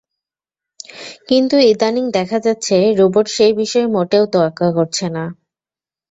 কিন্তু ইদানীং দেখা যাচ্ছে, রোবট সেই বিষয় মোটেও তোয়াক্কা করছে না।